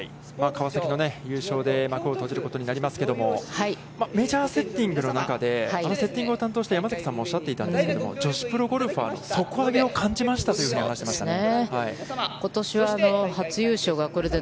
川崎の優勝で幕を閉じることになりますけれども、メジャーセッティングの中で、あのセッティングを担当した山崎さんもおっしゃっていたんですけれども、女子プロゴルファーの底上げを感じましたと言っていましたね。